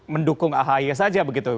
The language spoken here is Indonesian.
mendukung ahy saja begitu